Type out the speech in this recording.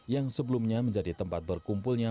yang sebelumnya menjadi tempat berkumpulnya